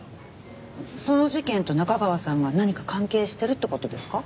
その事件と中川さんが何か関係してるって事ですか？